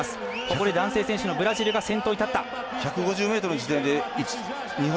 ここで男性選手のブラジルが先頭に立った。